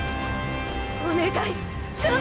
お願いッ！